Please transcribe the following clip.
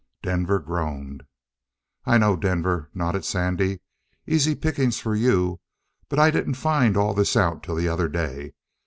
Denver groaned. "I know, Denver," nodded Sandy. "Easy pickings for you; but I didn't find all this out till the other day.